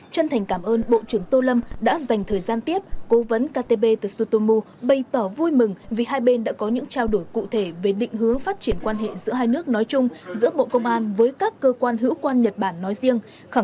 chân thành cảm ơn bộ trưởng tô lâm đã dành thời gian tiếp cố vấn takebe tsutomu bày tỏ vui mừng vì hai bên đã có những trao đổi cụ thể về định hướng phát triển quan hệ giữa hai nước nói chung giữa bộ công an với các cơ quan hữu quan nhật bản nói riêng